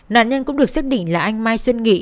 nạn nhân cũng được xác định là anh mai xuân nghị